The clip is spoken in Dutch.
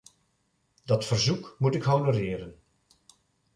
Dat verzoek moet ik honoreren.